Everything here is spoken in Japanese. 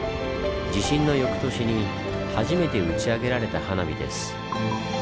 地震の翌年に初めて打ち上げられた花火です。